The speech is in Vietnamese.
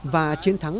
và chiến thắng địch